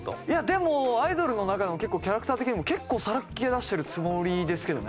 でもアイドルの中でも結構キャラクター的にも結構さらけ出してるつもりですけどね。